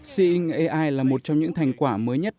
cing ai là một trong những thành quả mới nhất